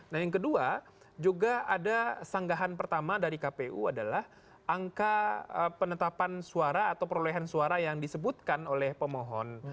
nah yang kedua juga ada sanggahan pertama dari kpu adalah angka penetapan suara atau perolehan suara yang disebutkan oleh pemohon